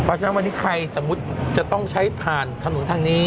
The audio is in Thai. เพราะฉะนั้นวันนี้ใครสมมุติจะต้องใช้ผ่านถนนทางนี้